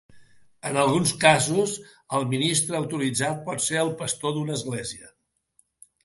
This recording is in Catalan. En alguns casos, el ministre autoritzat pot ser el pastor d'una església.